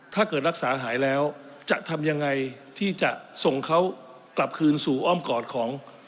ถ้าเกิดรักษาหายแล้วจะทำยังไงที่จะส่งเขากลับคืนสู่อ้อมกอดของ